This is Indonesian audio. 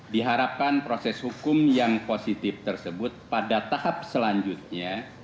diharapkan proses hukum yang positif tersebut pada tahap selanjutnya